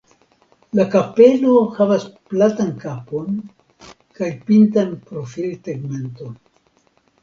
La kapelo havas platan kapon kaj pintan profiltegmenton.